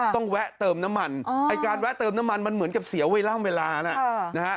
แวะเติมน้ำมันไอ้การแวะเติมน้ำมันมันเหมือนกับเสียเวลานะฮะ